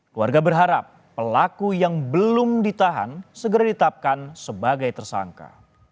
keluarga berharap pelaku yang belum ditahan segera ditetapkan sebagai tersangka